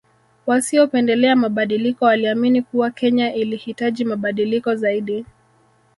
Wasiopendelea mabadiliko waliamini kuwa Kenya ilihitaji mabadiliko zaidi